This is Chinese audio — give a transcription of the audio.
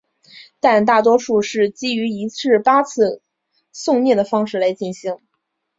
但大多是基于一日八次诵念的方式来进行。